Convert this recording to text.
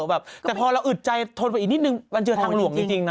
แต่พอเราอึดใจทนไปอีกนิดนึงมันเจอทางหลวงจริงนะ